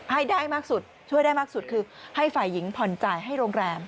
ให้ได้มากสุดช่วยได้มากสุดคือให้ฝ่ายหญิงผ่อนจ่ายให้โรงแรม